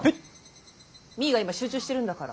実衣が今集中してるんだから。